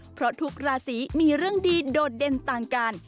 เพราะทุกราศีมีเรื่องดีโดดเด่นต่างกัน